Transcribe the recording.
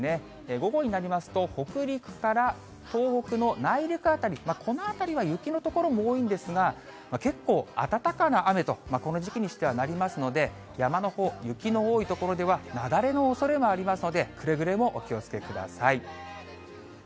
午後になりますと北陸から東北の内陸辺り、この辺りは雪の所も多いんですが、結構、暖かな雨と、この時期にしてはなりますので、山のほう、雪の多い所では雪崩のおそれもありますので、くれぐれもお気をつけください。